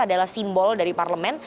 adalah simbol dari parlemen